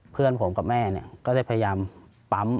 เพื่อนผมกับแม่ก็ได้พยายามปั๊ม